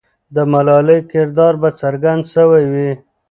د ملالۍ کردار به څرګند سوی وي.